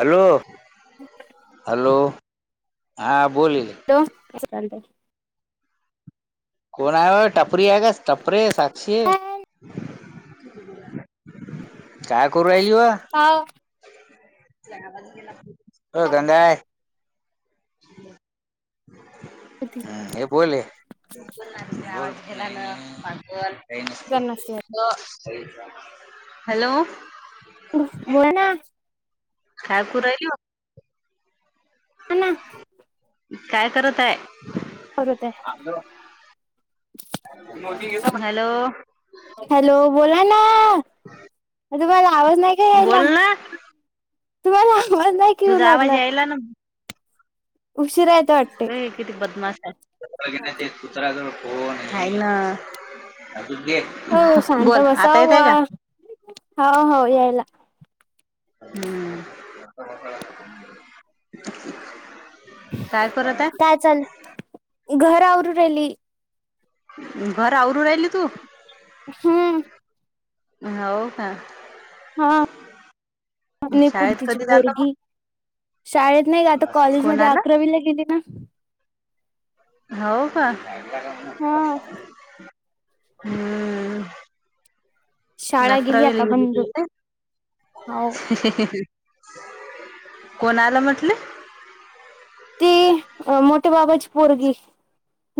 Hello hello हा बोल की. लो, त्याच पँटा घे. कोण हाय ओ टपरी आहे कास टपरे साक्षी? काय करू राहिली व? हाव [unintelligible] [inaudible] करती हे बोल ए बोल काय ना काय नसते. लो, हॅलो. बर बोला ना. काय करू राहिली हो? आ ना काय करत आहे? आलो. हॅलो. हॅलो बोला ना. तुम्हाला आवाज नाहीक? बोल ना. तुम्हाला आवाज नाही का येऊ तुझा आवाज लागला यायला ना. उशिरा येते वाट किती बदमास कुत्रा, जवळ फोन ना येना. हो शांत बोल आता बसाव येतय बुवा का. हो हो यायला. हम्म. काय करत काय चाल? घर आवरू राहिली. बर आवरून राहिली तू? हम्म. हाऊ का? आपने शाळेत कुद्दी कधी ची जाता पोरगी. शाळेत नाही गं, आता मग कॉलेजमध्ये कोणाला अकरावी ला गेली ना. हाऊ का, हा [unintelligible] हम्म. शाळा अकरावीला आता गेली बंद तू ना हो ह, हहह.. कोण आलं म्हटलं. ती मोठ्या बाबाची पोरगी.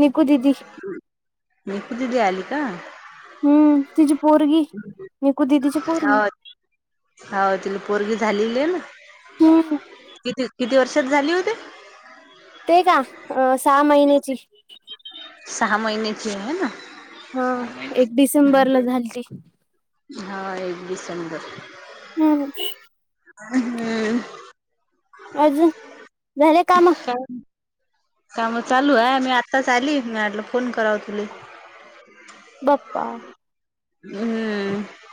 निकू दीदी. [unintelligible] निकु दीदी आली का? हम्म तिची पोरगी, निकु दीदी ची पोरगी. हाऊ तिला पोरगी झालेली ना, हम्म किती किती वर्षात झाली ओ ते. ते का, सहा महिन्याची. सहा महिन्याची हे न. हा एक डिसेंबर ला झालती. हा एक डिसेंबर. हम्. हम्म. अजून झाले काम. काम काम चालू आहे, मी आत्ताच आली. म्या म्हटलं, फोन करावं तुले. बप्पा. हम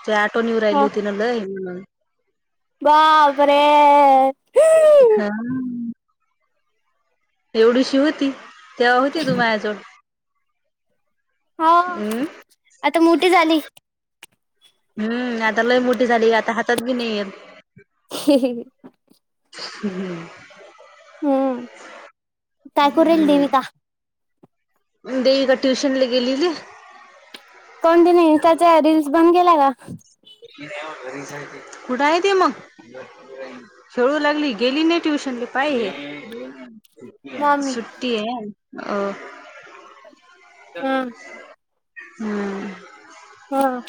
तुई आठवण येऊ राहिली. हा होती ना लय म्हणून, बापरे हा. एवढीशी होती, तेव्हा होती तू मायाजवळ. हो, आता मोठी झाली. हम्म आता लय मोठी झाली, आता हातात बी नाही येत. ही हे. हं हम्म. हम्म, काय करू राहिली देविका? देविका ट्युशनला गेली ना. काहून तिने इन्स्टाच्या रील्स बंद केल्या का? [unintelligible] घरीच आहे ते. कुठं हाय ते मग? खेळू लागली, गेली नाही ट्युशनले? काही [unintelligible] मम्मी सूट ते अ आं.. हम्म. हा.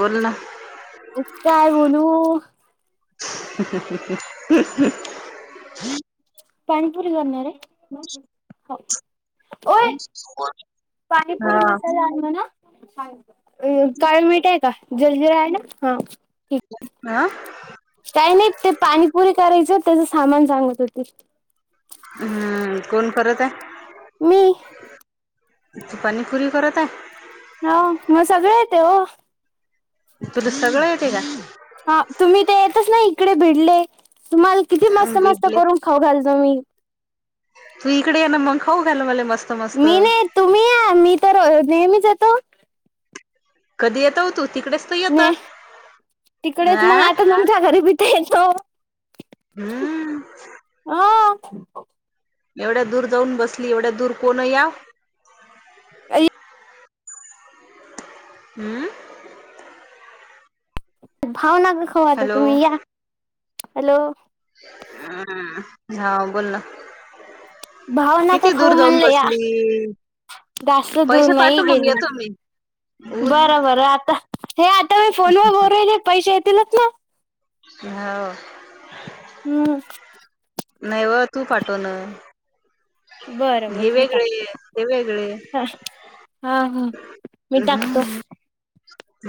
बोल ना. उप काय बोलू? ह ह ह ह. पाणीपुरी करणार आहे, हो. ओय हा पाणीपुरी मसाला आणलं ना? काळन मीठ आहे का जलजीरा आहे ना? हा. ठीक. आ. काही नाही ते पाणीपुरी करायचं त्याच सामान सांगत होते. हम्म कोण करत आहे मी पाणीपुरी करत आहे. हो मला सगळे येते हो. तुला सगळं येतं का. हा, तुम्ही इते येतच नाही इकडे बीडले, तुम्हाला किती मस्त मस्त बले करून खाऊ घालतो मी. तू इकडे ये ना मग खाऊ घायले मले मस्त. मस्त. मी नाही येत तुम्ही या मी तर नेहमीच येतो. कधी येतो हो तू तिकडेच. तर येत नैह तिकडेच आ मग आता तुमच्या घरी बी तर येतो. हम्म. हो. एवढ्या दूर जाऊन बसली एवढ्या दूर कोण याव. ऐ. हम्म. भाव नका खाऊ आता हॅलो तुम्ही या हॅलो. अम हा बोल ना. भाव नका किती खाऊ दूर जाऊन म्हनलं या. बसली जास्त दूर पैसे नाही पाठव मग गेली. येतो मी उद बरं बरं आता हे आता मी फोनवर बोलू राहिली पैसे येतीलच ना? हाओ. हम्म. नाही व तू पाठवणार. बरं बरं हे मी वेगळे टाकतो आहेत ते वेगळे. हा हा हा मी टाकतो.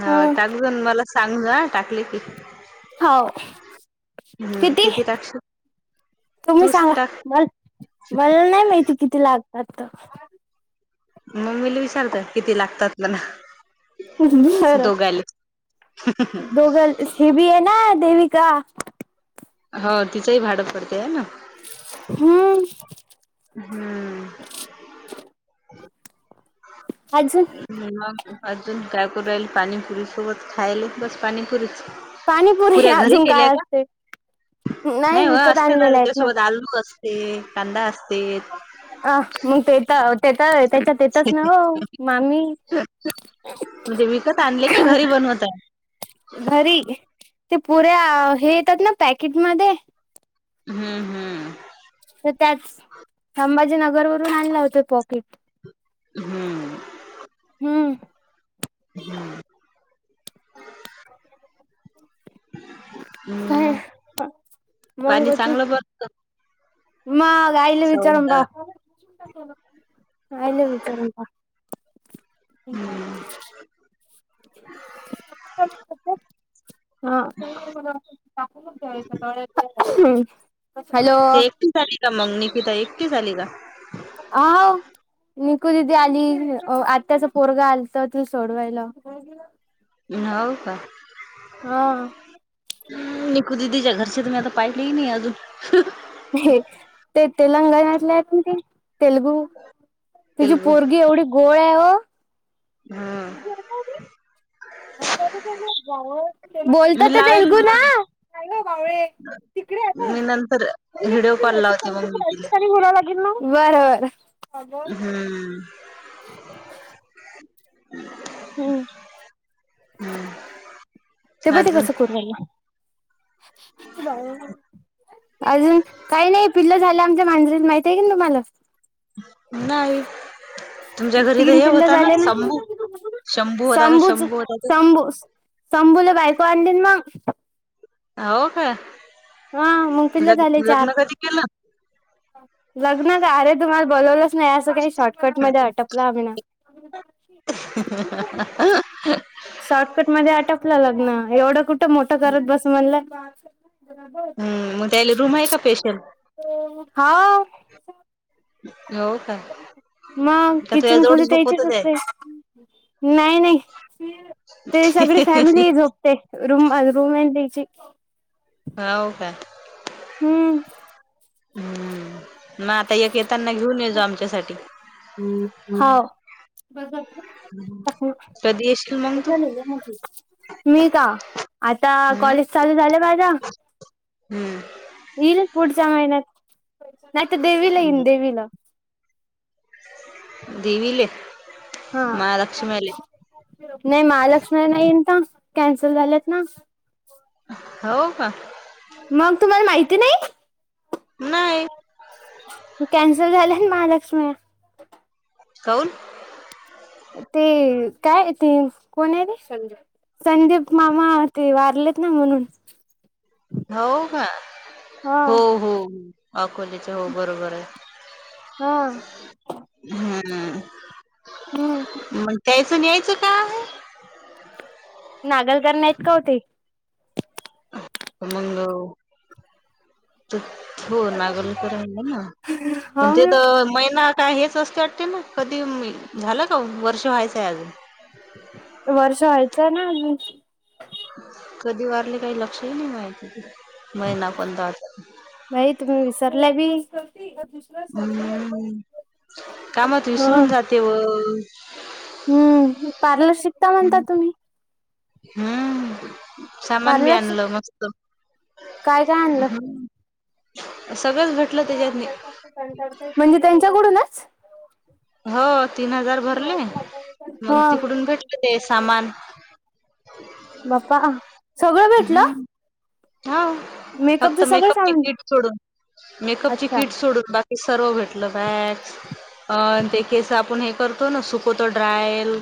ह टाकजून मला सांग हा टाकले की. हो हम्म किती टाकशील तुम्ही तूच सांगा टाक मला. मला नाही माहिती किती लागतात. मम्मीले विचार किती लागतातला. बरं दोघं ही बी आहे ना देवीका. हो तिचंही भाडं पडते आहे ना. हंम्म. हम्म. [inaudible] अजून. मग अजून काय करू राहिली पाणीपुरीसोबत खायले कि बस पाणीपुरीच. पाणीपुरी पुर्या पुऱ्या घरी अजून केल्याय काय का असते नाही वा विकत असत ना आणलेले आहेत त्याच्यासोबत आलूक बस. ते कांदा असते. अ मग ते तर ते तर त्याच्यात येतच ना हो मामी. म्हणजे, विकत आणले की घरी बनवताय. घरी ते पुऱ्या हे येतात ना पॅकेटमध्ये. हम्म हम्म. तर त्याच संभाजीनगर वरून आणलं होत पॉकेट. हम्म. हम. [inaudible] काय हम्म. मंग पाणी अजून. चांगलं बघत मग आईला विचारून पा. [unintelligible] आईला विचारुन सांग [unintelligible] ह हॅलो! तर मग निकिता एकटीच आली का? आव निकु दीदी आली आत्याचं पोरगं आलतं ती सोडवायला. हो का? हा. निकू दीदी चे घरचे तर पाहिले ही नाही अजून. हे ते तेलंगणातले आहेत ना ते तेलगू तिची तेलगू. पोरगी एवढी गोड आहे व. हम्म [unintelligible] बोलतात मी तर लावेल तेलगु ना? मग मी नंतर व्हिडिओ कॉल लावते मग दीदी ले. बरबर. हम्म. हम्म. हम्म. ते बग ते कसं करू लागलं अजून काय नाही पिल्लू झाले आमच्या मांजरीला माहिती की नाही तुम्हाला? नाही. तुमच्या घरी तर तीन हे पिल्ल होता झाले ना शंभू शंभू होता का शबूच शंभू होता तो शाबू शंभूला बायको आणली ना. हो का? हा मग पिल्ल लग झाले चार लग्न कधी केलं? लग्न झाले तुम्हाला बोलवलंच नाही, असं काही शॉर्टकट मध्ये अटपलं आम्ही ना [unintelligible] [unintelligible] शॉर्टकट मध्ये आटपलं लग्न, एवढं कुठ मोठं करत बस म्हणलं. हम मग त्याला रूम आहे का स्पेशल? हा. हो का? मग का तुझ्या किचन जवळ खोलीत झोपत यायचेच ते असते. नाही नाही ते सगळ फॅमिली आहे जो ते रूम रूम हाय ना त्याची हो का? हम्म. हम्म मग आता एक येताना घेऊन ये जा आमच्यासाठी. हम हो कधी? येशील मग तू [unintelligible] मी का आता हम्म कॉलेज चालू झालं माझ. हम्म. येईलच पुढच्या महिन्यात नाहीतर देवीला येईल देवीला. देवीले हा. महालक्ष्मी आले नाही महालक्ष्मी नाही यंदा, कॅन्सल झालेत ना. हौ कां. मग तुम्हाला माहिती नाही. नाही. ते कॅन्सल झाले ना महालक्ष्मी कऊन. ते काय ते, कोण ते संज्जू. संदीप मामा ते, वारलेत ना म्हणून. हो का? हा हो हो हो, अकोल्याचे हो बरोबर आहे. हा हम्म हम्म मं.. द्यायचं न यायचं का आहे? नागल करण्या इतकी होती. मंग. हो नागल कयला ना हो पण ते ना तर महिना काय हेच असते वाटते ना, कधी मी झालं का वर्ष व्हायचंय अजून? वर्ष व्हायचं ना अजून. कधी वारले काही लक्षही नाही माहिती बाई, महिना कोणता. बाई तुम्ही विसरल्या बी? हम्म कामात हा विसरून जाते व. हम्म पार्लर शी हम्म हम्म, हा सामान बी पार्लर आणलं मस्त. काय काय आणलं? सगळंच भेट म्हणजे तेच्याकडूनच. हो तीन हजार भरले मग, हा तिकडून भेटत ते सामान. बाप्पा, सगळं भेटलं? हा फक्त मेकअपच सगळं मेकअपची सामान किट सोडून, मेकअपची अच्छा किट सोडून बाकी. सर्व भेटलं बॅग्स. अ ते केस आपण हे करतो ना सुकवतो ड्रायल.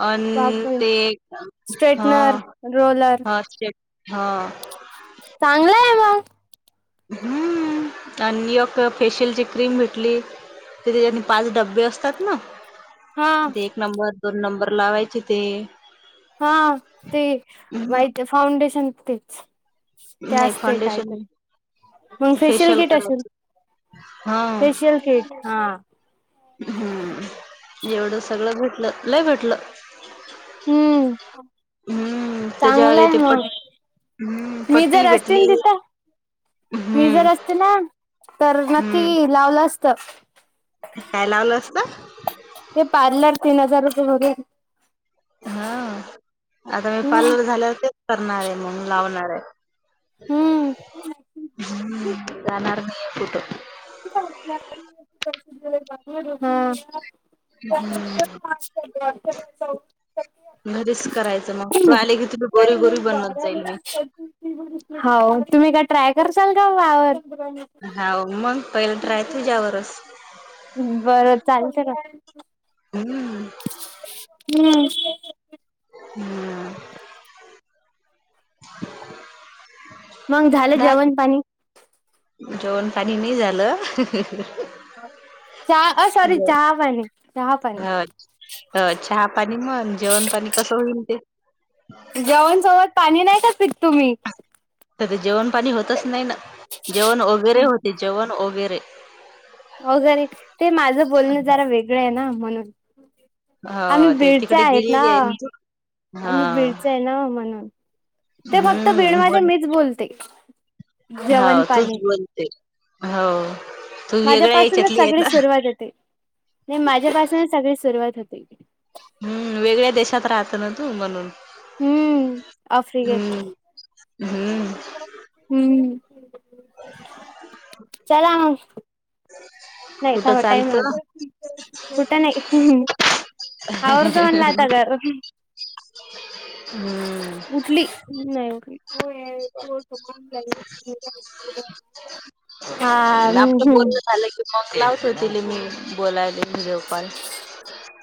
अन बापरे ते हा, स्ट्रेटनर रोलर हॉर्सस्टेप हा. चांगलं ये म हम्म आणि यक फेशियलची क्रीम भेटली. ते तेच्या पाच डबे असतात ना, हा ते एक नंबर दोन नंबर लावायचे ते. हा ते हम्म व्हाईट फाउंडेशन तेच. ते नाही असतय काय फाउंडेशन पण. मग फेशियल किट असेल, हा फेशियल किट. हा. हम्म एवढं सगळं भेटलं, लय भेटलं. हम्म. हम्म त्याच्यावर चांगलंय ते पट मग, हम्म मी जर पट्टी असतीन भेटली तिथं. मी हम्म जर असते ना तर हम्म नक्की लावलं असत. काय लावलं असतं. ते पार्लर तीन हजार रुपये मध्ये. हा आता मी पार्लर झाल्यावर तेच करणार आहे मग, लावणार आहे. हम्म ह जाणार नाहीये कुटं. हा. [unintelligible] घरीच करायचं मग तू आले की तुला गोरी गोरी बनवत जाईल मी. [unintelligible] हो तुम्ही काय ट्राय करसाल काय वावर. हाव मग पहिले ट्राय तुझ्यावरच. बरं चालतंय ना. हम्म [inaudible] [inaudible] मग झालं दा जेवण पाणी? जेवण पाणी नाही झालं. [unintelligible] अ सॉरी चहा पाणी चहा पाणी अ चहा पाणी मण जेवण पाणी कसं होईल ते. जेवणसोबत पाणी नाही का पीत तुम्ही? तर ते जेवण पाणी होतच नाही ना जेवण वगैरे होते जेवण वगैरे. वगैरे ते माझं बोलणं जरा वेगळं आहे ना म्हणून. ह आम्ही ते बीडचे तिकडे आहेत ना, गेलेली आहे हा आम्ही बीडचे आहे ना म्हणून. ते फक्त हम्म बोल भीडमध्ये मीच बोलते जेवण हो तूच पाणी. बोलते. हो तू वेगळ्या माझ्यापासूनच याच्यातली आहे सगळी ना सुरुवात होते न, माझ्यापासूनच सगळी सुरुवात होते. हम्म वेगळ्या देशात राहतं ना तू म्हणून. हम्म आफ्रिकेत. हम्म हम्म हम्म चला मंग. नाही कुठं थांब टाईम चालतं आला कुठं नाही. आवर्त म्हणलं आता घर. हम्म. उठली नाही ठली, [inaudible] हा् हम्म मंग लावतो तिला मी बोलायले व्हिडिओ कॉल.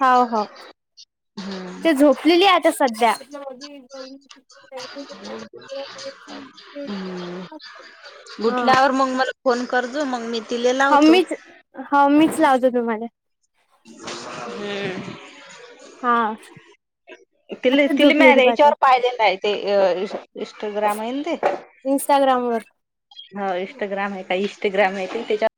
हो हो हम्म. ते झोपलेली आहेता सध्या. [inaudible] हा उठल्यावर मग मला फोन कर मग मी. तिले हाऊ लावतो. मीच हाऊ मीच लावते तुम्हाला. हम्. हा. ति आत्ताच तिला म झोपलेली पाहते. याच्यावर पाहिले ना ते इंस्टाग्राम आहेन ते. इं्स्टाग्राम वर. ह इंस्टाग्राम आहे का हो. इंस्टाग्राम आहे त्याच्या.